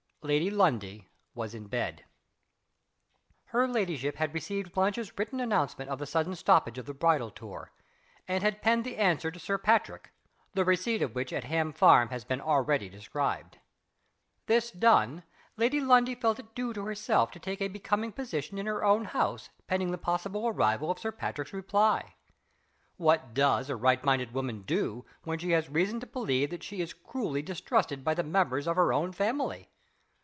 Lady Lundie was in bed. Her ladyship had received Blanche's written announcement of the sudden stoppage of the bridal tour; and had penned the answer to Sir Patrick the receipt of which at Ham Farm has been already described. This done, Lady Lundie felt it due to herself to take a becoming position in her own house, pending the possible arrival of Sir Patrick's reply. What does a right minded woman do, when she has reason to believe that she is cruelly distrusted by the members of her own family?